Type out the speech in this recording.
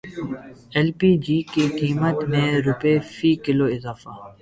L P G کی قیمت میں روپے فی کلو اضافہ